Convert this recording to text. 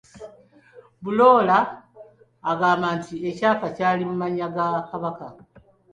Bulola agamba nti ekyapa kyali mu mannya ga Kabaka